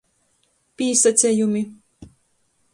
Pīsacejumi.